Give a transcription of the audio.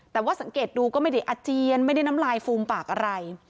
แต่ว่าสังเกตดูก็ไม่ได้อาเจียนไม่ได้น้ำลายฟูมปากอะไร